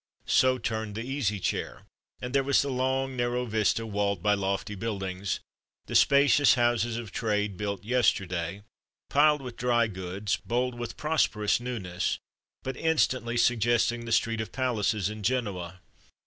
So turned the Easy Chair, and there was the long, narrow vista walled by lofty buildings, the spacious houses of trade, built yesterday, piled with dry goods, bold with prosperous newness, but instantly suggesting the street of palaces in Genoa.